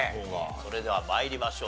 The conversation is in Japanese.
それでは参りましょう。